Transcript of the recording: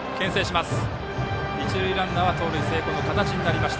一塁ランナーは盗塁成功の形になります。